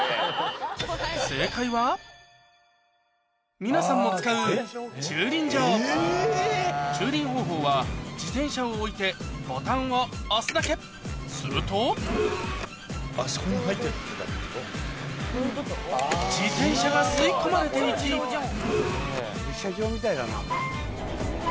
皆さんも使う駐輪方法は自転車を置いてボタンを押すだけすると自転車が吸い込まれていき駐車場みたいだな。